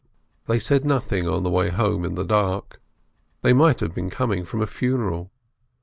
They said nothing on the way home in the dark, they might have been coming from a funeral.